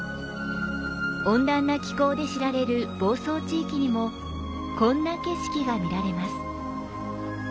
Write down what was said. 温暖な気候で知られる房総地域にもこんな景色が見られます。